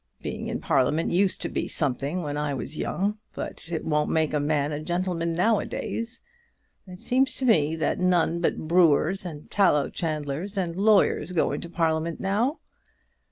Being in Parliament used to be something when I was young, but it won't make a man a gentleman now a days. It seems to me that none but brewers, and tallow chandlers, and lawyers go into Parliament now.